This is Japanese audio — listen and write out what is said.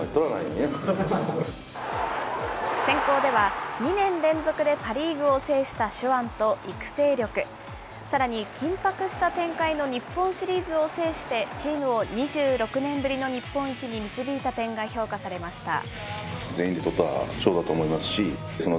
選考では、２年連続でパ・リーグを制した手腕と育成力、さらに緊迫した展開の日本シリーズを制してチームを２６年ぶりの日本一に導いた点が評価されました。